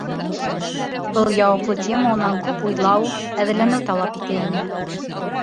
Был яуаплы тема унан күп уйлау, әҙерләнеү талап итә ине.